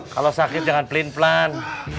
kalau sakit jangan pelin pelan